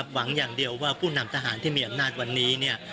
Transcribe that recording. หวังอย่างเดียวว่าผู้นำทหารที่มีอำนาจวันนี้